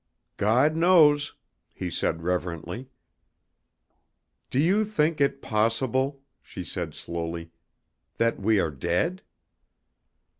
"God knows," he said reverently. "Do you think it possible," she said slowly, "that we are dead?"